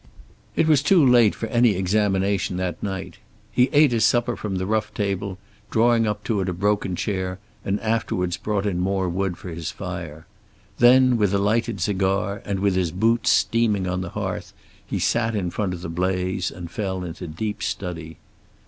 It was too late for any examination that night. He ate his supper from the rough table, drawing up to it a broken chair, and afterwards brought in more wood for his fire. Then, with a lighted cigar, and with his boots steaming on the hearth, he sat in front of the blaze and fell into deep study.